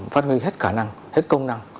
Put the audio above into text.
phát huy hết khả năng hết công năng